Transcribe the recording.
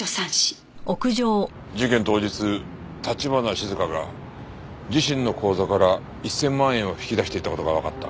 事件当日橘静香が自身の口座から１千万円を引き出していた事がわかった。